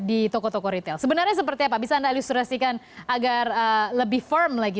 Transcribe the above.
di toko toko retail sebenarnya seperti apa bisa anda ilustrasikan agar lebih firm lagi